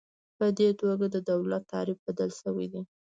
په دې توګه د دولت تعریف بدل شوی دی.